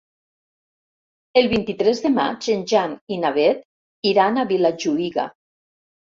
El vint-i-tres de maig en Jan i na Beth iran a Vilajuïga.